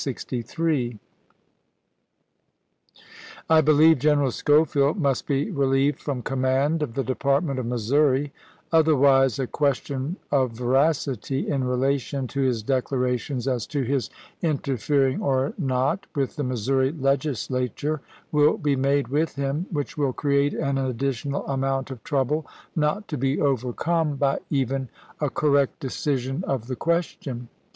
i I beheve General Schofield must be reheved from com mand of the Department of Missouri ; otherwise a question of veracity, in relation to his declarations as to his inter fering, or not, with the Missouri Legislature, will be made with him, which will create an additional amount of trouble, not to be overcome by even a correct decision of the question.